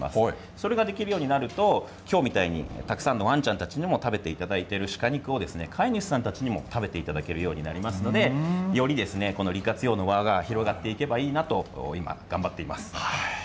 それができるようになるときょうみたいに、たくさんのワンちゃんたちにも食べていただいている鹿肉を飼い主さんたちにも食べていただけるようになりますので、より利活用の輪が広がっていけばいいなと、今、頑張っています。